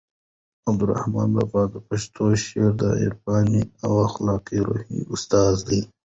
عبدالرحمان بابا د پښتو شعر د عرفاني او اخلاقي روح استازی دی.